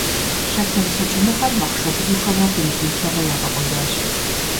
Лъэтэн лъэкӀыныгъэр махъшэбзухэмрэ пингвинхэмрэ яфӀэкӀуэдащ.